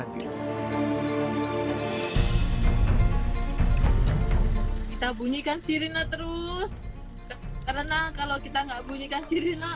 kita bunyikan sirine terus karena kalau kita nggak bunyikan sirine